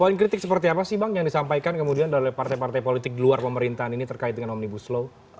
poin kritik seperti apa sih bang yang disampaikan kemudian oleh partai partai politik di luar pemerintahan ini terkait dengan omnibus law